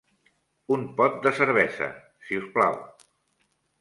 Un pot de cervesa, si us plau.